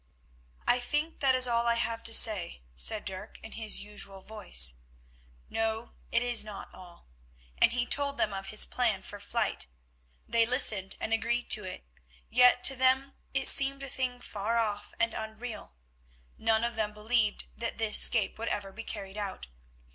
"I think that is all I have to say," said Dirk in his usual voice. "No, it is not all," and he told them of his plan for flight. They listened and agreed to it, yet to them it seemed a thing far off and unreal. None of them believed that this escape would ever be carried out.